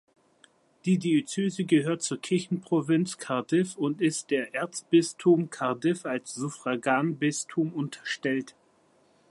Die Diözese gehört zur Kirchenprovinz Cardiff und ist der Erzbistum Cardiff als Suffraganbistum unterstellt.